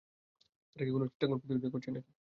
তারা কি কোন চিত্রাঙ্কন প্রতিযোগিতা করছে নাকি?